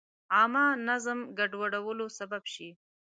عامه نظم ګډوډولو سبب شي.